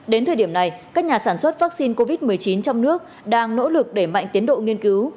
đến thời điểm này các nhà sản xuất vaccine covid một mươi chín trong nước đang nỗ lực để mạnh tiến độ nghiên cứu